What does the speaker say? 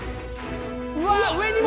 うわっ上にも！